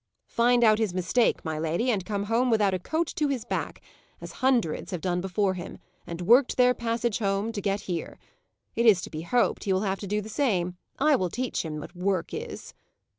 "Find out his mistake, my lady, and come home without a coat to his back, as hundreds have done before him, and worked their passage home, to get here. It is to be hoped he will have to do the same. It will teach him what work is."